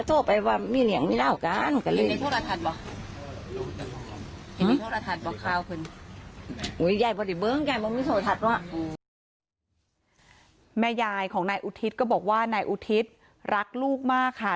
ยายบอกดิเบิ้งยายบอกมีโทรทัดว่ะแม่ยายของนายอุทิศก็บอกว่านายอุทิศรักลูกมากค่ะ